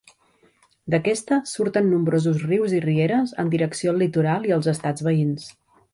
D'aquesta surten nombrosos rius i rieres en direcció al litoral i als estats veïns.